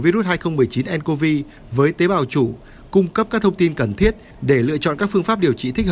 covid một mươi chín ncov với tế bào chủ cung cấp các thông tin cần thiết để lựa chọn các phương pháp điều trị thích